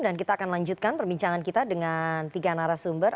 dan kita akan lanjutkan perbincangan kita dengan tiga narasumber